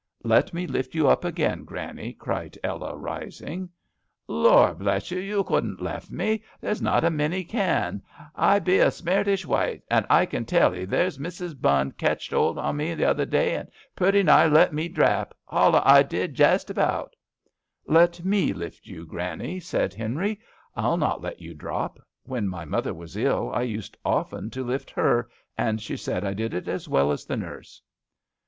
"Let me lift you up again. Granny," cried Ella, rising, " Lord bless you — ^you couldn't left me ! There's not a many can. I be a smartish wite, I can tell 'ee. There's Mussis Bunn ketched 'old on me t'other day and pretty nigh let me drap. Holler I did jest about," "Let me lift you. Granny," said Henry, " I'll not let you drop. When my mother was ill I used often to lift her, and she said I did it as well as the nurse."